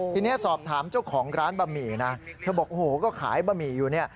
ทีนี้สอบถามเจ้าของร้านบะหมี่นะเธอบอกโอ้โหก็ขายบะหมี่อยู่เนี่ย